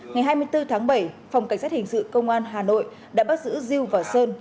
ngày hai mươi bốn tháng bảy phòng cảnh sát hình sự công an hà nội đã bắt giữ diêu và sơn